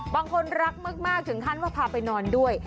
บางคนรักมากถึงขั้นว่าพาไปนอนด้วย